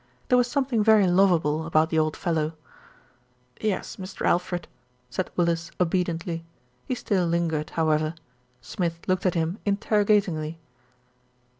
There was something very lovable about the old fellow. "Yes, Mr. Alfred," said Willis obediently; he still A QUESTION OF IDENTITY 41 lingered, however. Smith looked at him interrogat ingly.